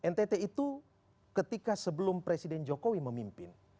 ntt itu ketika sebelum presiden jokowi memimpin